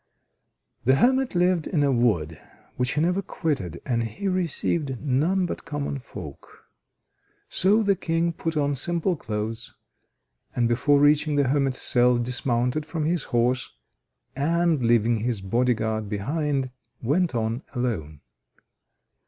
The hermit lived in a wood which he never quitted, and he received none but common folk. So the King put on simple clothes, and before reaching the hermit's cell dismounted from his horse, and, leaving his body guard behind, went on alone.